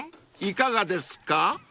いかがですか？］